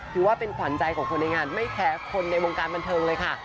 ถือว่าเป็นขวัญใจของคนในงานไม่แพ้คนในวงการบันเทิงเลยค่ะ